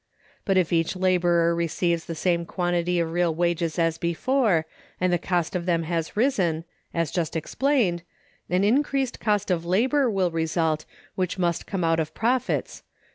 But if each laborer receives the same quantity of real wages as before, and the cost of them has risen, as just explained, an increased cost of labor will result which must come out of profits.